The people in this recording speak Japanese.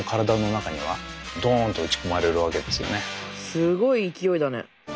すごい勢いだね。